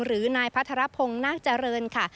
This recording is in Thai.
หรือนายพัทรพงศ์นาคเจริญค่ะ